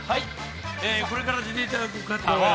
これから出ていただく方は